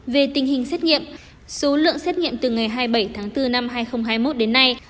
về tình hình xét nghiệm số lượng xét nghiệm từ ngày hai mươi bảy tháng bốn năm hai nghìn hai mươi một đến nay